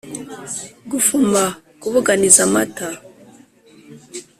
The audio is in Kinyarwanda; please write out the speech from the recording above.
gufuma, ku buganiza amata